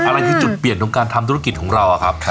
อะไรคือจุดเปลี่ยนของการทำธุรกิจของเราอะครับ